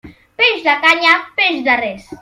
Peix de canya, peix de res.